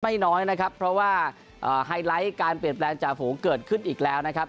ไม่น้อยนะครับเพราะว่าไฮไลท์การเปลี่ยนแปลงจ่าฝูงเกิดขึ้นอีกแล้วนะครับ